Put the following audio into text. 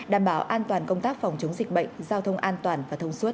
đảm bảo an toàn công tác phòng chống dịch bệnh giao thông an toàn và thông suốt